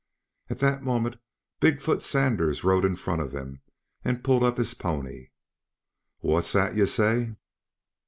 At that moment Big foot Sanders rode in front of him and pulled up his pony. "What's that ye say?"